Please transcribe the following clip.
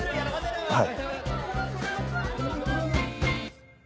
はい。